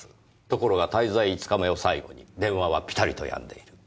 ところが滞在５日目を最後に電話はピタリとやんでいる。